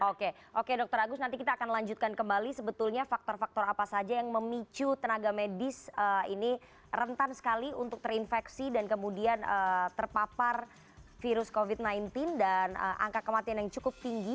oke oke dokter agus nanti kita akan lanjutkan kembali sebetulnya faktor faktor apa saja yang memicu tenaga medis ini rentan sekali untuk terinfeksi dan kemudian terpapar virus covid sembilan belas dan angka kematian yang cukup tinggi